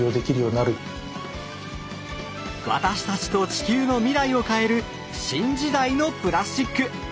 私たちと地球の未来を変える新時代のプラスチック。